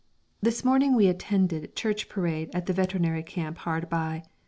_ This morning we attended Church Parade at the veterinary camp hard by.